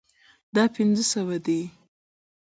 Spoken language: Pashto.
دا پنځه سوه دي